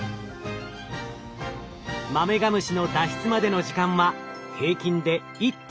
マメガムシの脱出までの時間は平均で１．６時間。